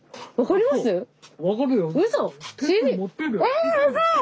えうそ！